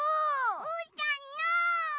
うーたんの！